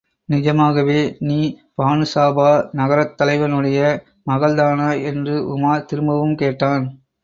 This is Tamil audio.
நிஜமாகவே, நீ பானுசாபா நகரத் தலைவனுடைய மகள்தானா? என்று உமார் திரும்பவும் கேட்டான்.